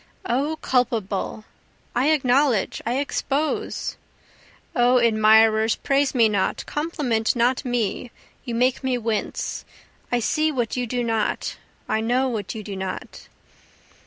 O culpable! I acknowledge I expose! (O admirers, praise not me compliment not me you make me wince, I see what you do not I know what you do not.)